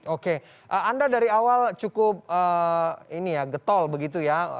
oke anda dari awal cukup ini ya getol begitu ya